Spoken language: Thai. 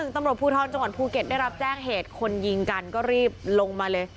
ตำรวจภูทรจังหวัดภูเก็ตได้รับแจ้งเหตุคนยิงกันก็รีบลงมาเลย